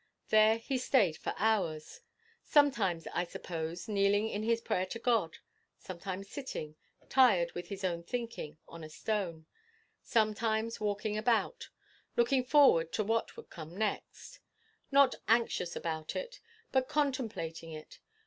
There he stayed for hours sometimes, I suppose, kneeling in his prayer to God; sometimes sitting, tired with his own thinking, on a stone; sometimes walking about, looking forward to what would come next not anxious about it, but contemplating it.